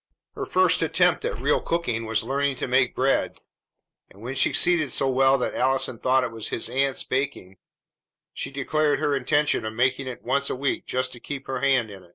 Her first attempt at real cooking was learning to make bread; and, when she succeeded so well that Allison thought it was his aunt's baking, she declared her intention of making it once a week just to keep her hand in.